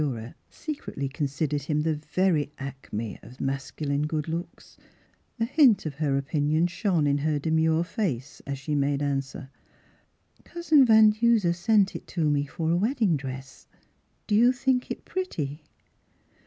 Miss Philura se cretly considered him the very acme of masculine good looks, a hint of her opinion shone in her demure face as she made answer. " Cousin Van Duser sent it to me for a wedding dress; do you think it pretty?